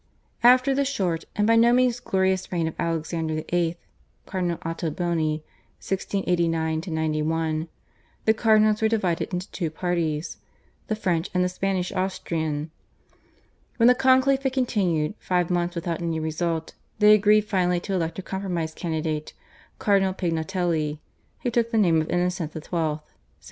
After the short and by no means glorious reign of Alexander VIII. (Cardinal Ottoboni, 1689 91), the cardinals were divided into two parties, the French and the Spanish Austrian. When the conclave had continued five months without any result they agreed finally to elect a compromise candidate (Cardinal Pignatelli) who took the name of Innocent XII.